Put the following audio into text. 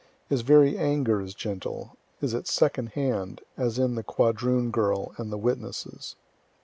His very anger is gentle, is at second hand, (as in the "Quadroon Girl" and the "Witnesses.")